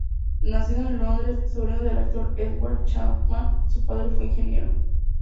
Nacido en Londres, sobrino del actor Edward Chapman, su padre fue ingeniero.